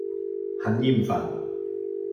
很厭煩